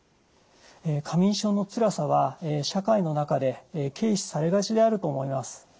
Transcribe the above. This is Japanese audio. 過眠症のつらさは社会の中で軽視されがちであると思います。